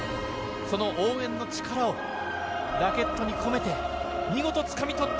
その応援の力をラケットに込めて見事に掴み取った、